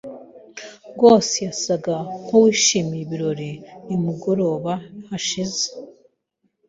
Rwose yasaga nkuwishimiye ibirori nimugoroba hashize.